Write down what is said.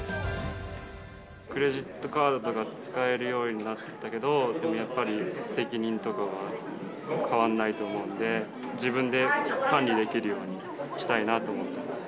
クレジットカードとか使えるようになったけど、でもやっぱり、責任とかは変わらないと思うんで、自分で管理できるようにしたいなと思ってます。